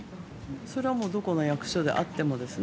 それはどこの役所であってもですね。